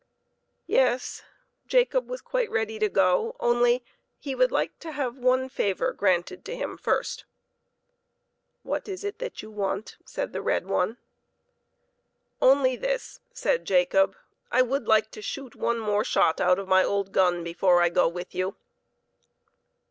Yes; Jacob was quite ready to go, only he would like to have one favor granted him first. " What is it that you want ?" said the red one. "Only this," said Jacob: "I would like to shoot one more shot out of my old gun before I go with you."